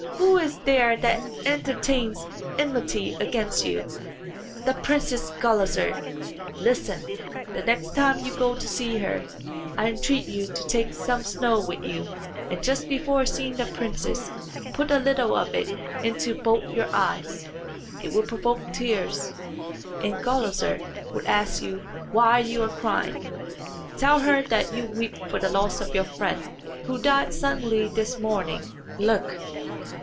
Who is there that entertains enmity against you?" "The Princess Gulizar. Listen. The next time you go to see her, I entreat you to take some snow with you; and just before seeing the princess put a little of it into both your eyes. It will provoke tears, and Gulizar will ask you why you are crying. Tell her that you weep for the loss of your friend, who died suddenly this morning. Look!